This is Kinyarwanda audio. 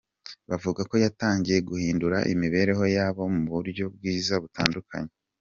Bavuga ko yatangiye guhindura imibereho yabo mu buryo bwiza butandukanye.